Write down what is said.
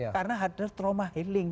karena ada trauma healing